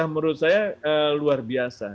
menurut saya luar biasa